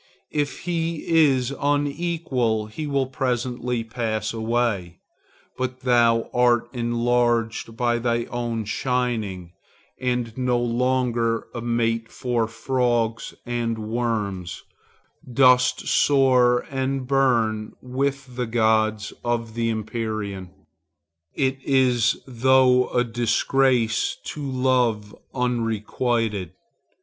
If he is unequal he will presently pass away; but thou art enlarged by thy own shining, and no longer a mate for frogs and worms, dost soar and burn with the gods of the empyrean. It is thought a disgrace to love unrequited.